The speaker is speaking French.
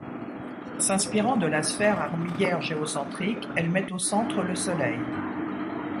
S'inspirant de la sphère armillaire géocentrique, elle met au centre le soleil.